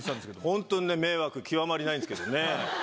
ホントにね迷惑極まりないんですけどね。